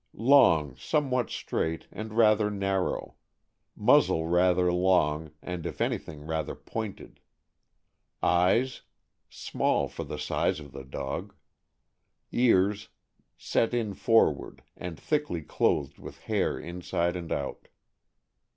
— Long, somewhat straight, and rather narrow; muzzle rather long, and, if anything, rather pointed. Eyes. — Small for the size of the dog. Ears. — Set in forward, and thickly clothed with hair inside and out.